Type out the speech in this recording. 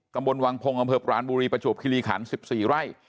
กระบวนวังพงษ์อำเผิบร้านบุรีประชุบคิริขันศ์สิบสี่ไร่